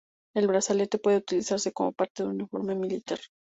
El brazalete puede utilizarse como parte de un uniforme militar.